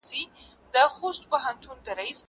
دا نان له هغه تازه دی؟